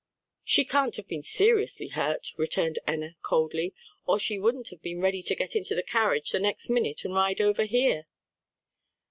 "She can't have been seriously hurt," returned Enna coldly, "or she wouldn't have been ready to get into the carriage the next minute and ride over here."